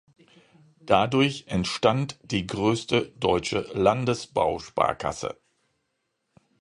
Dadurch entstand die größte deutsche Landesbausparkasse.